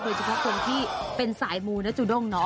โดยเฉพาะคนที่เป็นสายมูนะจูด้งเนาะ